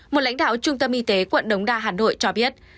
một lãnh đạo trung tâm y tế quận đống đa hà nội cho biết